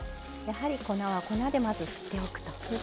やはり粉は粉で振っておくと。